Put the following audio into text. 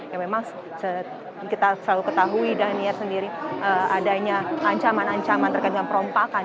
yang memang kita selalu ketahui dhaniar sendiri adanya ancaman ancaman terkait dengan perompakan